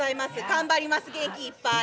頑張ります、元気いっぱい！